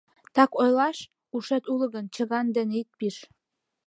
— Так ойлаш, ушет уло гын, чыган дене ит пиж.